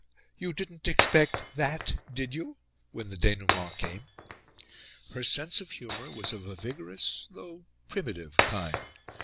You didn't expect that, did you?" when the denouement came. Her sense of humour was of a vigorous though primitive kind.